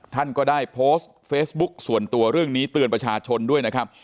ท่านก็ได้โพสต์เฟซบุ๊คส่วนตัวเรื่องนี้เตือนประชาชนด้วยนะครับ